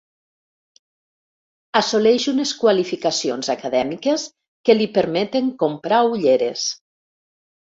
Assoleix unes qualificacions acadèmiques que li permeten comprar ulleres.